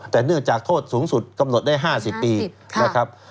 แต่เนื่องจากโทษสูงสุดกำหนดได้๕๐ปีนะครับ